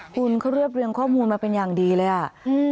คุณเขาเรียบเรียงข้อมูลมาเป็นอย่างดีเลยอ่ะอืม